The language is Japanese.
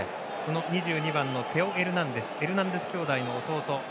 ２２番テオ・エルナンデスはエルナンデス兄弟の弟。